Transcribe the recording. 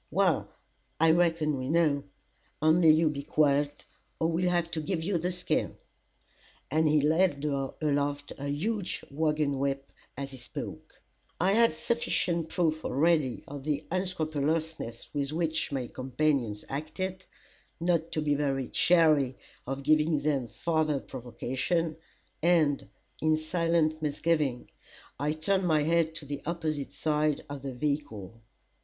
"Well, I reckon we know. Only you be quiet, or we'll have to give you the skin." And he held aloft a huge wagon whip as he spoke. I had sufficient proof already of the unscrupulousness with which my companions acted, not to be very chary of giving them farther provocation, and, in silent misgiving, I turned my head to the opposite side of the vehicle.